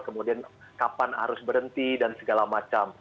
kemudian kapan harus berhenti dan segala macam